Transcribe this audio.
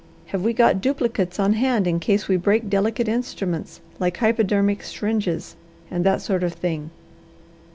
Have we got duplicates on hand in case we break delicate instruments like hypodermic syringes and that sort of thing?